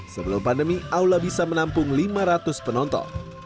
sebelum pandemi aula bisa menampung lima ratus penonton